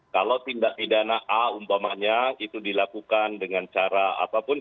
kalau tindak pidana a umpamanya itu dilakukan dengan cara apapun